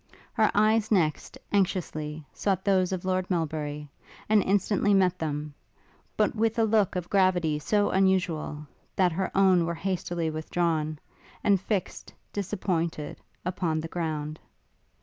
Her eyes next, anxiously, sought those of Lord Melbury, and instantly met them; but with a look of gravity so unusual, that her own were hastily withdrawn, and fixt, disappointed, upon the ground.